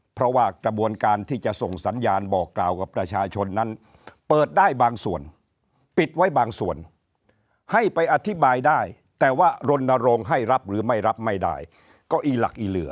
เพราะว่ากระบวนการที่จะส่งสัญญาณบอกกล่าวกับประชาชนนั้นเปิดได้บางส่วนปิดไว้บางส่วนให้ไปอธิบายได้แต่ว่ารณรงค์ให้รับหรือไม่รับไม่ได้ก็อีหลักอีเหลือ